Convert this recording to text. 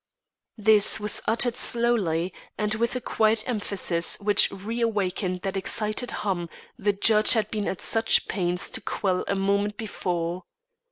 This was uttered slowly and with a quiet emphasis which reawakened that excited hum the judge had been at such pains to quell a moment before.